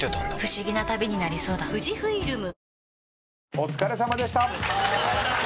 お疲れさまでした。